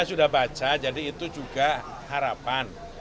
saya sudah baca jadi itu juga harapan